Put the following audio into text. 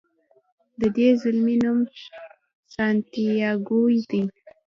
د دې زلمي نوم سانتیاګو دی.